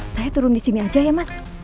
saya turun disini aja ya mas